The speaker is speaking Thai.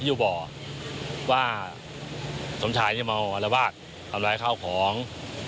อยู่บ่อว่าสมชายนี่เมาอารวาสทำร้ายข้าวของ